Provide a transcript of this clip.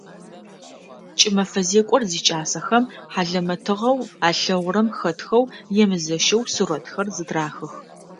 Кӏымэфэ зекӏор зикӏасэхэм хьалэмэтыгъэу алъэгъурэм хэтхэу емызэщэу сурэтхэр зытрахых.